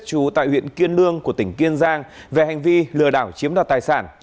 trú tại huyện kiên lương của tỉnh kiên giang về hành vi lừa đảo chiếm đoạt tài sản